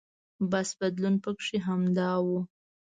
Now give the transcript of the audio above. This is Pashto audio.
بس بدلون پکې همدا و.